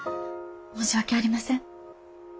申し訳ありません。